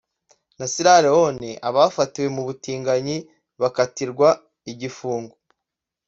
na Seirra Leone abafatiwe mu butinganyi bakatirwa igifungo